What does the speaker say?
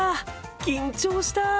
緊張した。